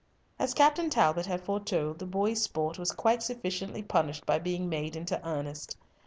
As Captain Talbot had foretold, the boys' sport was quite sufficiently punished by being made into earnest.